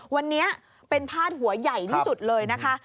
วันนี้เป็นพาดหัวใหญ่ที่สุดเลยนะคะ